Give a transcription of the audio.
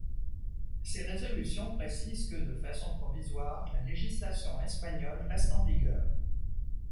Ces résolutions précisent que, de façon provisoire, la législation espagnole reste en vigueur.